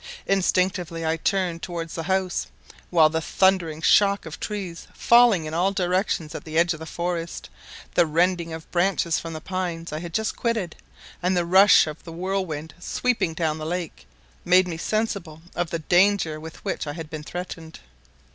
Instinctively I turned towards the house, while the thundering shock of trees falling in all directions at the edge of the forest, the rending of the branches from the pines I had just quitted, and the rush of the whirlwind sweeping down the lake, made me sensible of the danger with which I had been threatened.